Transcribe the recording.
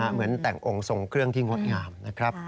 เหมือนแต่งองค์ทรงเครื่องที่งดงามนะครับ